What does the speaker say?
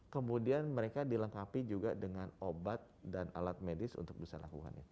kemudian mereka dilengkapi juga dengan obat dan alat medis untuk bisa lakukan itu